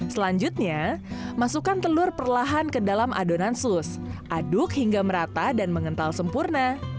selanjutnya masukkan telur perlahan ke dalam adonan sus aduk hingga merata dan mengental sempurna